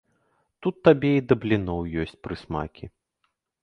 Тут табе і да бліноў ёсць прысмакі!